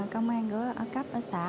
công an cơ ở cấp ở xã